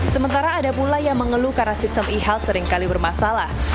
sementara ada pula yang mengeluh karena sistem ehalt seringkali bermasalah